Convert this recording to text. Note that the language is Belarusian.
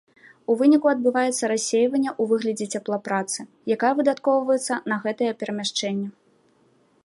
У выніку адбываецца рассейванне ў выглядзе цяпла працы, якая выдаткоўваецца на гэтае перамяшчэнне.